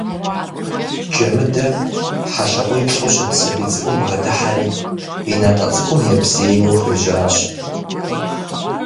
Джэмыдэ хьэлъакъуиплӀу щыт сабий цӀыкӀум бгъэдыхьэри и натӀэ цӀыкӀум ебзейуэ хуежьащ.